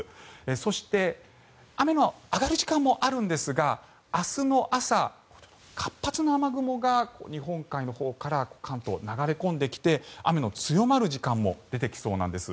そして雨の上がる時間もあるんですが明日の朝、活発な雨雲が日本海のほうから関東、流れ込んできて雨の強まる時間帯も出てきそうなんです。